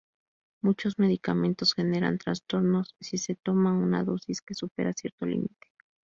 Muchos medicamentos generan trastornos si se toma una dosis que supera cierto límite.